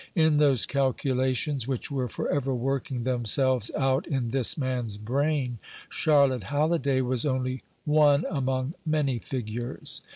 In those calculations which were for ever working themselves out in this man's brain, Charlotte Halliday was only one among many figures.